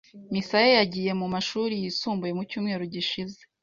Misaya yagiye mu mashuri yisumbuye mu cyumweru gishize.